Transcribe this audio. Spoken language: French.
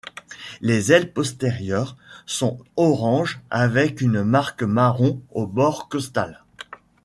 Les ailes postérieures sont orange avec une marque marron au bord costal.